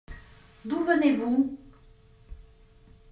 D’où venez-vous ?